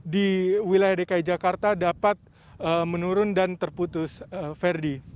di wilayah dki jakarta dapat menurun dan terputus verdi